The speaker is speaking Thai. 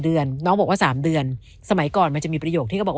เดือนน้องบอกว่า๓เดือนสมัยก่อนมันจะมีประโยคที่เขาบอกว่า